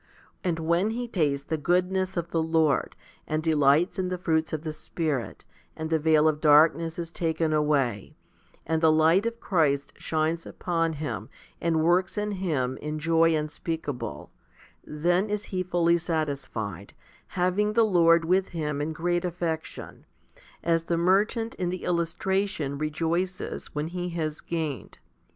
And when he tastes the goodness of the Lord, and delights in the fruits of the Spirit, and the veil of darkness is taken away, and the light of Christ shines upon him and works in him in joy unspeakable, then is he fully satisfied, having the Lord with him in great affection, as the merchant in the illustration rejoices when he has gained.